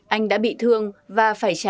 anh đã bị thương và phải trải qua